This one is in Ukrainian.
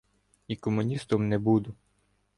і комуністом не буду.